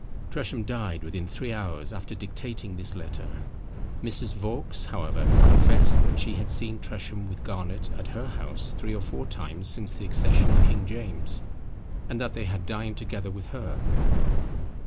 Tresham died within three hours after dictating this letter. Mrs. Vaux, however, confessed that she had seen Tresham with Garnet at her house three or four times since the accession of King James, and that they had dined together with her.